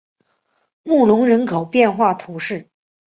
穆龙人口变化图示